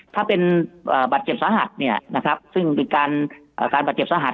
ถ้าเป็นบัตรเจ็บสาหัสเนี่ยนะครับซึ่งเป็นการบาดเจ็บสาหัส